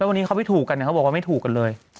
วันนี้เขาไม่ถูกกันเนี่ยเขาบอกว่าไม่ถูกกันเลย